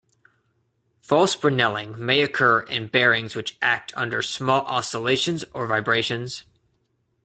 False brinelling may occur in bearings which act under small oscillations or vibrations.